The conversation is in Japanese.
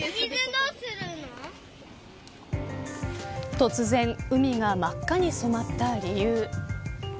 突然海が真っ赤に染まった理由。